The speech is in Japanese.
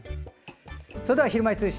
それでは「ひるまえ通信」